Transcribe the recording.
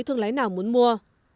thương lái nào muốn mua